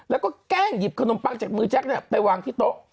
แล้วก็แกล้งหยิบขนมปังจากมือแจ๊คไปวางที่โต๊ะ